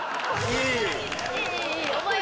いい！